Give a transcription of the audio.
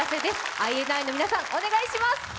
ＩＮＩの皆さん、お願いします。